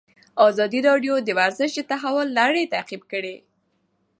ازادي راډیو د ورزش د تحول لړۍ تعقیب کړې.